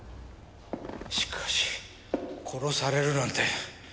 しかし殺されるなんて一体誰が！？